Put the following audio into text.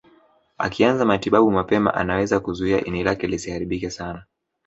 Akianza matibabu mapema anaweza kuzuia ini lake lisiharibike sana